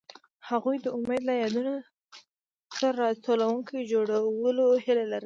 هغوی د امید له یادونو سره راتلونکی جوړولو هیله لرله.